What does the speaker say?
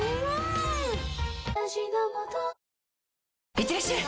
いってらっしゃい！